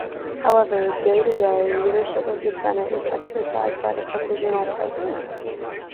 However, day to day leadership of the Senate is exercised by the Provisional President.